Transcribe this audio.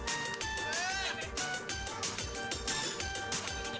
kau yang ngapain